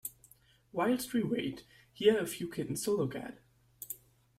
Whilst we wait, here are a few kittens to look at.